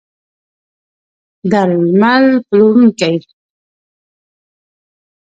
درمل پلورونکي